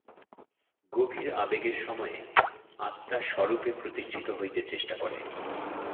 গভীর আবেগের সময়ে আত্মা স্বরূপে প্রতিষ্ঠিত হইতে চেষ্টা করে।